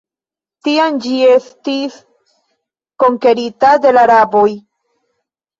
Tiam ĝi estis konkerita de la araboj.